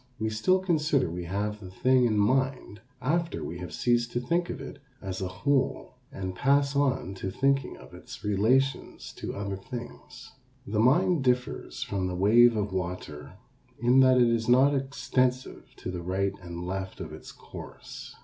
We still consider we have the thing in mind after we have ceased to think of it as a whole and pass on to thinking of its relations to other things. The mind differs from the wave of water in that it is not extensive to the right and left of its course.